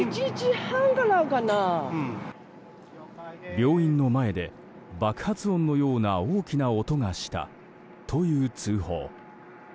病院の前で爆発音のような大きな音がしたという通報。